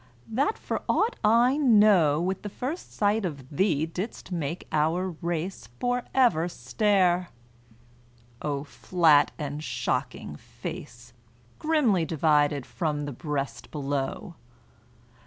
that for aught I know, With the first sight of thee didst make our race For ever stare! O flat and shocking face, Grimly divided from the breast below!